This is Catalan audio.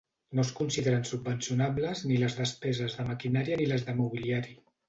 No es consideren subvencionables ni les despeses de maquinària ni les de mobiliari.